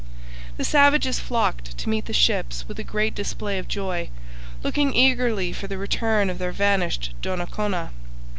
The savages flocked to meet the ships with a great display of joy, looking eagerly for the return of their vanished Donnacona.